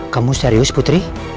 kamu serius putri